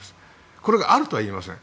これがあるとは言いません。